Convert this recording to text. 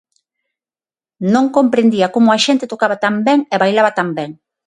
Non comprendía como a xente tocaba tan ben e bailaba tan ben.